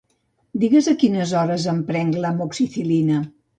Digues a quines hores em prenc l'Amoxicil·lina.